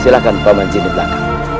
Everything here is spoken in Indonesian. silahkan paman zin di belakang